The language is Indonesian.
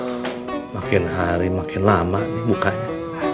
aduh makin hari makin lama bukanya